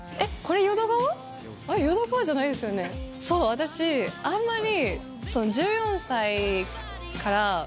私あんまり。